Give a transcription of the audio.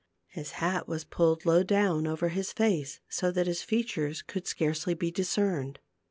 His hat was pulled low down over his face, so that his features could scarcely be dis cerned.